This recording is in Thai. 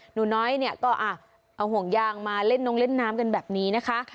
หนูน้อยเนี่ยก็เอาห่วงยางมาเล่นน้องเล่นน้ำกันแบบนี้นะคะ